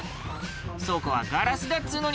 そこはガラスだっつうのに」